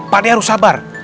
pak d harus sabar